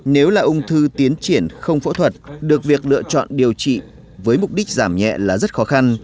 nếu là ung thư tiến triển không phẫu thuật được việc lựa chọn điều trị với mục đích giảm nhẹ là rất khó khăn